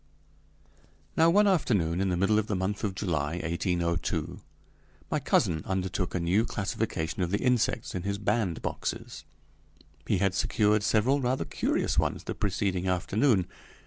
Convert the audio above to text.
Now one afternoon in the middle of the month of July, 1802, my cousin undertook a new classification of the insects in his bandboxes. He had secured several rather curious ones the preceding afternoon.